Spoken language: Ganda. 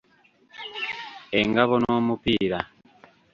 Engabo n’omupiira.